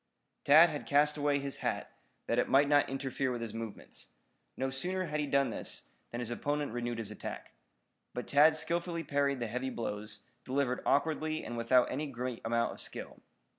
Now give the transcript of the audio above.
Tad had cast away his hat, that it might not interfere with his movements. No sooner had he done so than his opponent renewed his attack. But Tad skillfully parried the heavy blows, delivered awkwardly and without any great amount of skill.